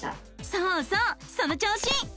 そうそうその調子！